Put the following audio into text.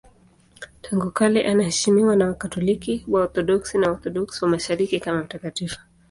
Tangu kale anaheshimiwa na Wakatoliki, Waorthodoksi na Waorthodoksi wa Mashariki kama mtakatifu.